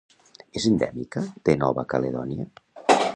És endèmica de Nova Caledònia.